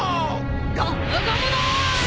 ゴムゴムの！